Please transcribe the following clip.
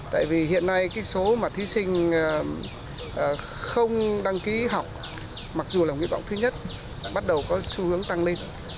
tại vì hiện nay cái số mà thí sinh không đăng ký học mặc dù là nguyện vọng thứ nhất bắt đầu có xu hướng tăng lên